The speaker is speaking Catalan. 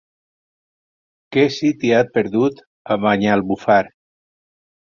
Què se t'hi ha perdut, a Banyalbufar?